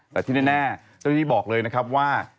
แต่ที่แน่เจ้าที่บอกเลยนะครับว่า